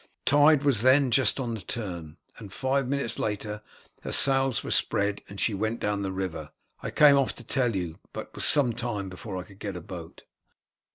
Tide was then just on the turn, and five minutes later her sails were spread and she went down the river. I came off to tell you, but was some time before I could get a boat."